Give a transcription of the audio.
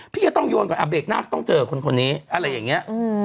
พี่จะต้องโยนก่อนเบรกนะต้องเจอคนนี้อะไรอย่างนี้